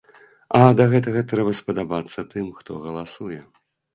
А да гэтага трэба спадабацца тым, хто галасуе.